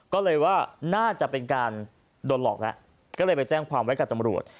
ก็เลยว่าน่าจะเป็นการโดนหลอกแล้วก็เลยไปแจ้งความไว้กับตำรวจ